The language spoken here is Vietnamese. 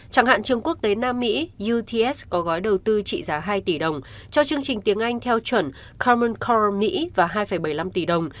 chẳng hạn trường quốc tế nam mỹ uts có gói đầu tư trị giá hai tỷ đồng cho chương trình tiếng anh theo chuẩn common colom mỹ và hai bảy mươi năm tỷ đồng